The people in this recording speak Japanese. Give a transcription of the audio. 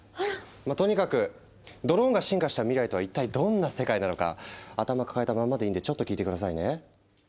まぁとにかくドローンが進化した未来とは一体どんな世界なのか頭抱えたまんまでいいんでちょっと聞いて下さいね。